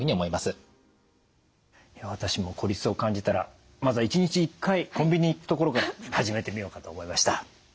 いや私も孤立を感じたらまずは１日１回コンビニに行くところから始めてみようかと思いました。